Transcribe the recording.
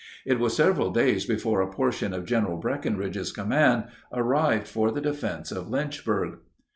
It was several days before a portion of General Breckinridge's command arrived for the defense of Lynchburg.